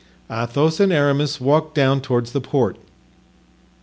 Athos and Aramis walked down toward the port.